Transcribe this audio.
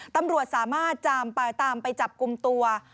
ตำรวจสามารถตามไปจับกลุ่มตัว